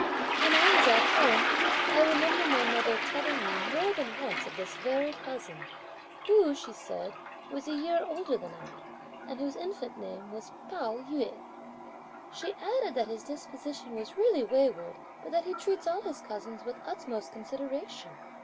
"When I was at home, I remember my mother telling me more than once of this very cousin, who (she said) was a year older than I, and whose infant name was Pao yü. She added that his disposition was really wayward, but that he treats all his cousins with the utmost consideration.